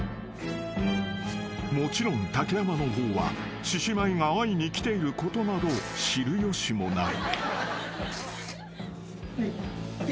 ［もちろん竹山の方は獅子舞が会いに来ていることなど知る由もない］